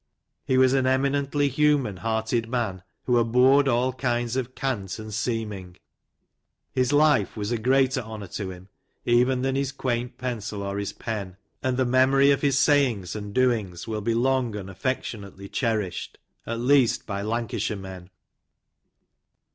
He was an eminently human hearted man, who abhorred all kinds of cant and seeming. His life was a greater honour to him even than his quaint pencil, or his pen; and the memory of his sayings and doings will be long and affectionately cherished, at least, by Lancashire men.